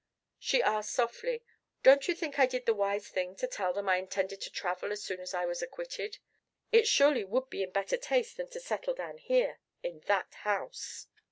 She asked softly: "Don't you think I did the wise thing to tell them I intended to travel as soon as I was acquitted? It surely would be in better taste than to settle down here in that house!"